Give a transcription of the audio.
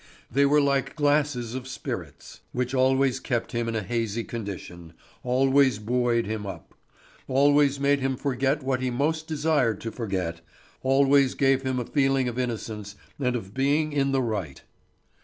They were like glasses of spirits, which always kept him in a hazy condition, always buoyed him up, always made him forget what he most desired to forget, always gave him a feeling of innocence and of being in the right.